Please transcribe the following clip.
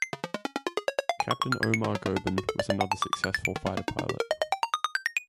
Captain Omar Goben was another successful fighter pilot.